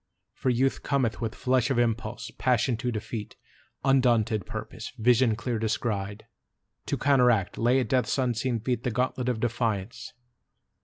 For Youth cometh With flush of impulse, passion to defeat, Undaunted purpose, vision clear descried, To counteract, lay at Death's unseen feet The gauntlet of defiance.